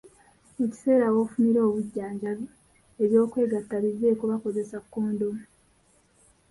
Mu kiseera w’ofunira obujjanjabi, eby'okwegatta biveeko oba kozesa kondomu.